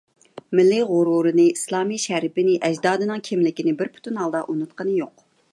مىللىي غورۇرىنى، ئىسلامىي شەرىپىنى، ئەجدادىنىڭ كىملىكىنى بىر پۈتۈن ھالدا ئۇنۇتقىنى يوق.